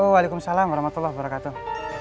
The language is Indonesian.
waalaikumsalam warahmatullah wabarakatuh